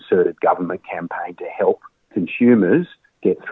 kita harus memiliki kampanye pemerintah